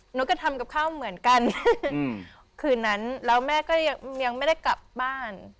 หนูก็ทำกับข้าวเหมือนกันคืนนั้นแล้วแม่ก็ยังไม่ได้กลับบ้าน